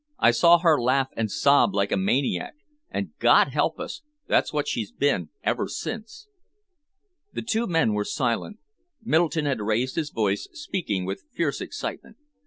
I saw her laugh and sob like a maniac, and, God help us! that's what she's been ever since." The two men were silent. Middleton had raised his voice, speaking with fierce excitement.